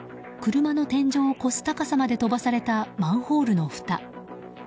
車を超す高さまで飛ばされたマンホールのふた。